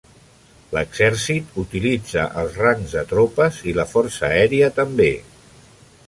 L'exèrcit utilitza els rangs de tropes, i la Força Aèria també.